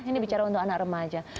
ini bicara untuk anak remaja